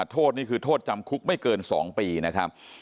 โทษนี่คือโทษจำคุกไม่เกิน๒ปีนะครับ